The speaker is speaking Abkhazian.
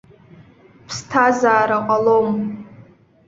Ԥсҭазаара ҟалом.